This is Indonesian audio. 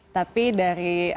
tapi dari harbolnas